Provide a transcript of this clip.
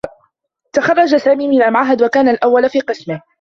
تخرّج سامي من المعهد و كان الأوّل في قسمه.